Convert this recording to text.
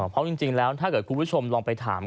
เพราะจริงแล้วถ้าเกิดคุณผู้ชมลองไปถาม